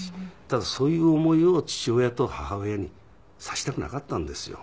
ただそういう思いを父親と母親にさせたくなかったんですよ。